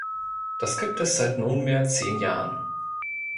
Das gibt es seit nunmehr zehn Jahren.